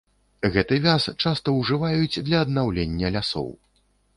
Гэты вяз часта ўжываюць для аднаўлення лясоў.